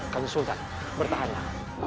kanya sultan bertahanlah